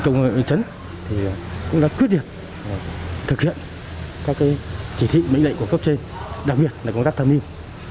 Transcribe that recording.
công nghệ quân chấn cũng đã quyết định thực hiện các chỉ thị mệnh lệnh của cấp trên đặc biệt là công tác tham mưu